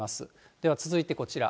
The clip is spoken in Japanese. では続いてこちら。